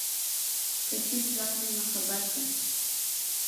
که چیری راغلي ما خبر که